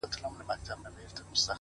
صفت زما مه كوه مړ به مي كړې،